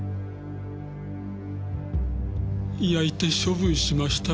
焼いて処分しました。